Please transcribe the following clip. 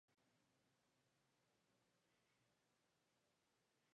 El retablo consta de banco, dos cuerpos, tres calles, cuatro entrecalles y coronamiento.